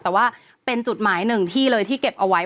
แต่ว่าเป็นจุดหมายหนึ่งที่เลยที่เก็บเอาไว้